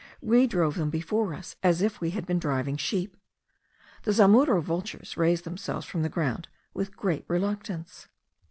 We drove them before us, as if we had been driving sheep. The zamuro vultures raise themselves from the ground with great reluctance.